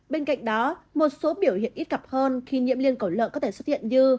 bên cạnh đó một số biểu hiện ít gặp hơn khi nhiễm liên cầu lợn có thể xuất hiện như